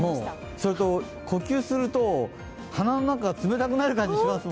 それと呼吸すると鼻の中が冷たくなる感じしますね。